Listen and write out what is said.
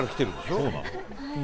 そうなの？